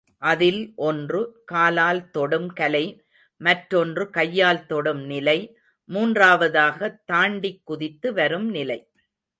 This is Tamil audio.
அதில் ஒன்று, காலால் தொடும் கலை மற்றொன்று, கையால் தொடும் நிலை மூன்றாவதாக தாண்டிக் குதித்து வரும் நிலை.